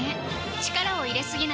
力を入れすぎない